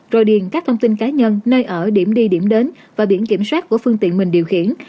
rồi điền các thông tin cá nhân nơi ở điểm đi điểm đến và biển kiểm soát của phương tiện mình điều khiển